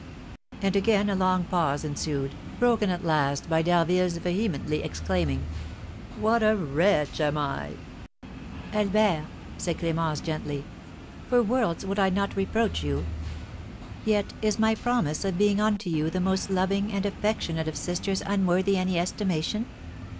And again a long pause ensued, broken at last by D'Harville's vehemently exclaiming, "What a wretch am I!" "Albert," said Clémence, gently, "for worlds would I not reproach you; yet is my promise of being unto you the most loving and affectionate of sisters unworthy any estimation?